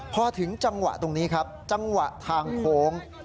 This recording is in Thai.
พอถึงจังหวะตรงนี้ครับจังหวะทางโค้ง